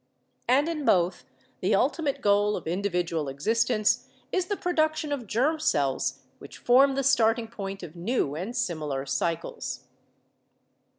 And in both the ultimate goal of individual existence is the production of germ cells which form the starting point of new and similar cycles.